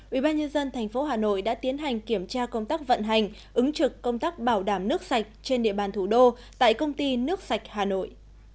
ubnd tp hà nội đã tiến hành kiểm tra công tác vận hành ứng trực công tác bảo đảm nước sạch trên địa bàn thủ đô tại công ty nước sạch hà nội